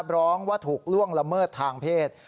ร้องว่าถูกล่วงละเมิดทางเพศ